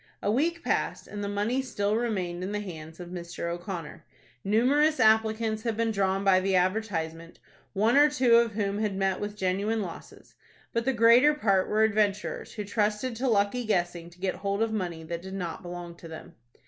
A week passed, and the money still remained in the hands of Mr. O'Connor. Numerous applicants had been drawn by the advertisement, one or two of whom had met with genuine losses, but the greater part were adventurers who trusted to lucky guessing to get hold of money that did not belong to them.